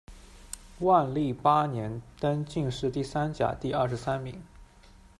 万历八年，登进士第三甲第二十三名。